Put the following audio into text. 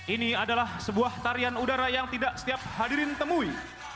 ini adalah sebuah tarian udara yang tidak setiap hadirin temui